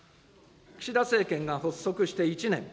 岸田政権が発足して１年。